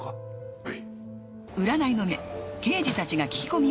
はい。